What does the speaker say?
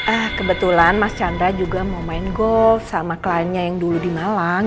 ah kebetulan mas chandra juga mau main golf sama kliennya yang dulu di malang